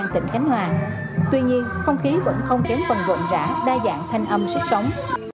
tuy nhiên không khí vẫn không kém phần rộn rã đa dạng thanh âm sức sống